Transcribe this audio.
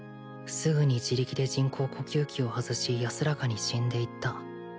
すぐに自力で人工呼吸器を外し安らかに死んでいった